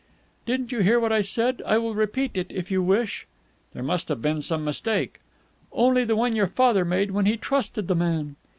"Didn't you hear what I said? I will repeat it, if you wish." "There must have been some mistake." "Only the one your father made when he trusted the man."